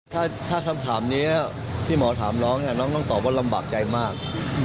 ถ้าคำถามนี้ที่หมอถามน้องเนี่ยน้องต้องตอบว่าลำบากใจมาก